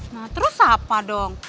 nah terus apa dong